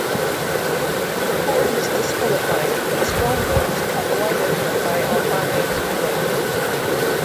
McCord was disqualified, but Strongbow was cut wide open by Albano's blows.